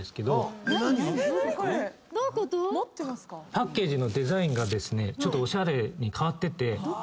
どういうこと⁉パッケージのデザインがちょっとおしゃれに変わってて。